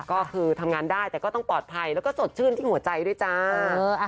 ก็คือทำงานได้แต่ก็ต้องปลอดภัยแล้วก็สดชื่นที่หัวใจด้วยจ้า